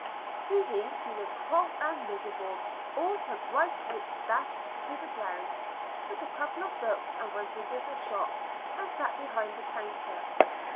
Susy, feeling cross and miserable, all her bright hopes dashed to the ground, took a couple of books and went into the shop and sat behind the counter.